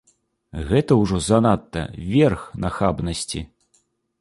Гэта ўжо занадта, верх нахабнасці.